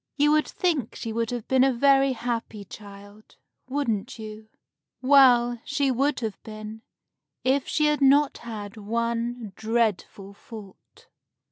You would think she would have been a very happy child, wouldn't you? Well, she would have been if she had not had one very dreadful fault.